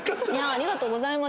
ありがとうございます。